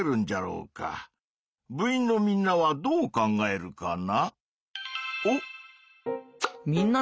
部員のみんなはどう考えるかな？